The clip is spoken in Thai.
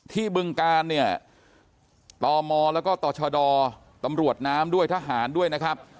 บึงการเนี่ยตมแล้วก็ต่อชดตำรวจน้ำด้วยทหารด้วยนะครับ